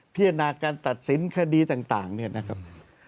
พิจารณาการตัดสินคดีต่างเนี่ยนะครับ